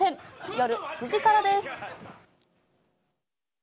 夜７時からです。